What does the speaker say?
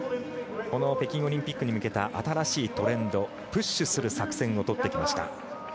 この北京オリンピックに向けた新しいトレンドプッシュする作戦をとってきました。